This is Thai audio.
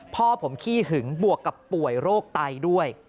พ่อผมขี้หึงบวกกับป่วยโรคไตด้วย